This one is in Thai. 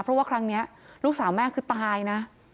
เพราะว่าครั้งนี้ลูกสาวแม่คือตายนะ